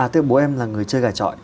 à tức là bố em là người chơi gà trọi